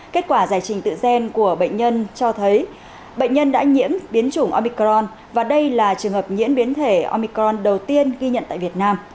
kết quả giải trình tự gen của bệnh nhân cho thấy bệnh nhân đã nhiễm biến chủng omicron và đây là trường hợp nhiễm biến thể omicron đầu tiên ghi nhận tại việt nam